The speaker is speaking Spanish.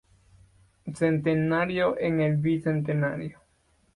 Centenario en el bicentenario.